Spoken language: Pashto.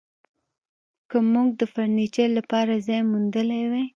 که موږ د فرنیچر لپاره ځای موندلی وای